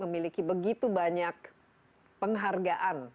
memiliki begitu banyak penghargaan